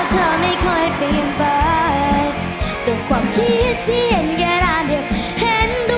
พาเสียพรุนทุกคำที่เราโสกเถอะ